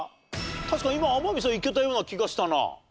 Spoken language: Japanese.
確かに今天海さんいけたような気がしたな。